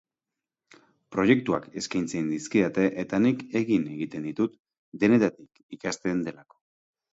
Proiektuak eskaintzen dizkidate eta nik egin egiten ditut, denetatik ikasten delako.